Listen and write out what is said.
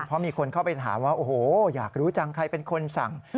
เพราะมีคนเข้าไปถามว่าโอ้โหอยากรู้จังใครเป็นคนสั่ง